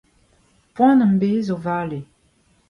Poan am bez o vale.